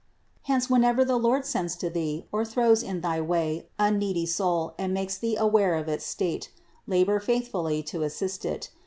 260. Hence whenever the Lord sends to thee, or throws in thy way, a needy soul and makes thee aware of its state, labor faithfully to assist it.